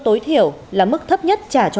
tối thiểu là mức thấp nhất trả cho